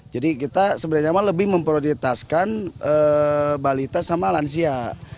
jadi kita sebenarnya lebih memprioritaskan balita sama lansia